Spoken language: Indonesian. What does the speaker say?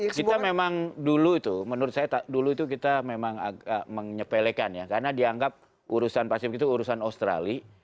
kita memang dulu itu menurut saya dulu itu kita memang agak menyepelekan ya karena dianggap urusan pasifik itu urusan australia